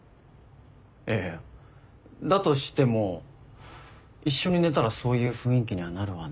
いやいやだとしても一緒に寝たらそういう雰囲気にはなるわな。